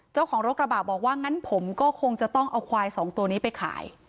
เจ้าของรถกระบะบอกว่างั้นผมก็คงจะต้องเอาควายสองตัวนี้ไปขาย